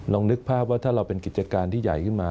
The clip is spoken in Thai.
นึกภาพว่าถ้าเราเป็นกิจการที่ใหญ่ขึ้นมา